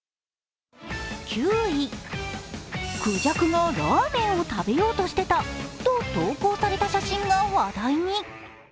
孔雀がラーメンを食べようとしていたと投稿された写真が話題に。